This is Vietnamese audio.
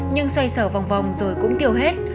nhưng xoay xở vòng vòng rồi cũng tiêu hết